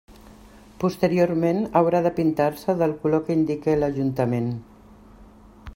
Posteriorment haurà de pintar-se del color que indique l'Ajuntament.